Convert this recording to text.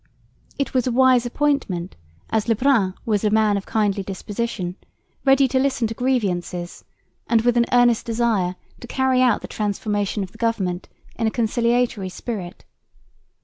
It was a wise appointment, as Le Brun was a man of kindly disposition, ready to listen to grievances and with an earnest desire to carry out the transformation of the government in a conciliatory spirit.